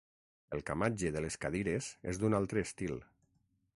El camatge de les cadires és d'un altre estil.